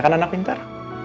kan anak pintar